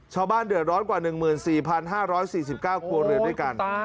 ชาวบ้านเดือดร้อนกว่า๑๔๕๔๙ครัวเรือนด้วยกัน